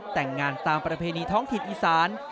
แต่งงานตามประเพณีท้องถิ่นอีสาน